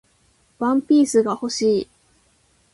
ワンピースが欲しい